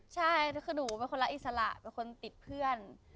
ใช้นี่คือหนูรับอิสระเป็นคนติดเพื่อน